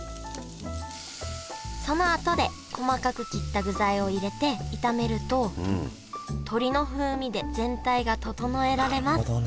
そのあとで細かく切った具材を入れて炒めると鶏の風味で全体が調えられますなるほどね。